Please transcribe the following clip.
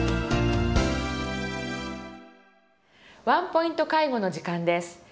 「ワンポイント介護」の時間です。